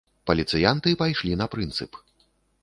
Паліцыянты пайшлі на прынцып.